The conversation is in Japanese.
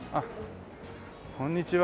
こんにちは。